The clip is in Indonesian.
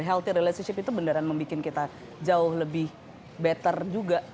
healthy relationship itu beneran membuat kita jauh lebih better juga